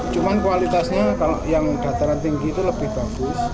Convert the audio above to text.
cuma kualitasnya yang dataran tinggi itu lebih bagus